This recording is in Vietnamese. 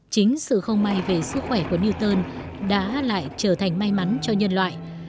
chính sự không may về sức khỏe của newton đã lại trở thành may mắn cho nhân loại